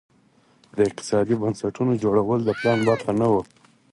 د اقتصادي بنسټونو جوړول د پلان برخه نه وه.